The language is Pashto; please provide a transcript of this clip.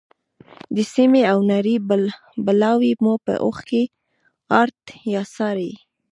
د سیمې او نړۍ بلاوې مو په اوښیártیا څاري.